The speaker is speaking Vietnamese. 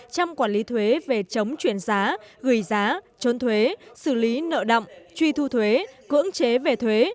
chăm quản lý thuế về chống chuyển giá gửi giá trốn thuế xử lý nợ động truy thu thuế cưỡng chế về thuế